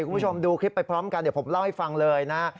คุณผู้ชมดูคลิปไปพร้อมกันเดี๋ยวผมเล่าให้ฟังเลยนะ